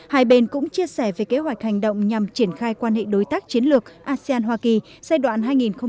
hai bên cũng chia sẻ về kế hoạch hành động nhằm triển khai quan hệ đối tác chiến lược asean hoa kỳ giai đoạn hai nghìn hai mươi một hai nghìn hai mươi năm